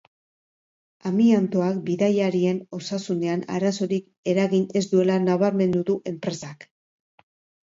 Amiantoak bidaiarien osasunean arazorik eragin ez duela nabarmendu du enpresak.